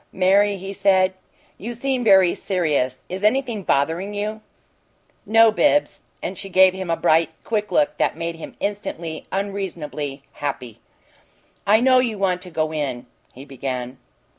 "Mary," he said, "you seem very serious. Is anything bothering you?" "No, Bibbs." And she gave him a bright, quick look that made him instantly unreasonably happy. "I know you want to go in " he began.